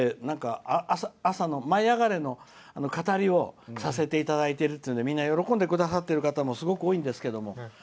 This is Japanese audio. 朝の「舞いあがれ！」の語りをさせていただいてるっていうのでみんな喜んでくださっている方もすごく多いんですけど